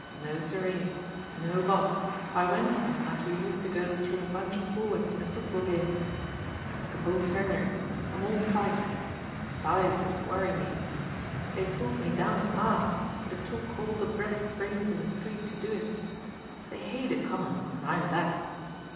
No siree, no boss, I went for 'em like you used to go through a bunch of forwards in a football game. I'm like a bull terrier. I'm all fight. Size don't worry me. They pulled me down at last but it took all the best brains in the 'Street' to do it. They hate a comer and I'm that.